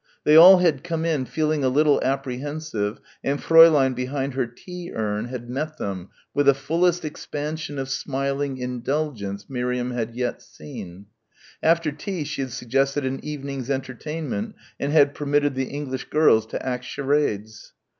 They all had come in feeling a little apprehensive, and Fräulein behind her tea urn had met them with the fullest expansion of smiling indulgence Miriam had yet seen. After tea she had suggested an evening's entertainment and had permitted the English girls to act charades.